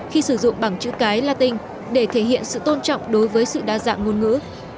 khi sử dụng bằng chữ cái latin để thể hiện sự tôn trọng đối với sự đa dạng ngôn ngữ